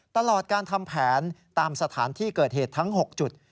ตลอดการทำแผนตามสถานที่เกิดเหตุทั้ง๖จุด